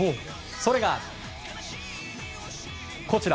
それが、こちら。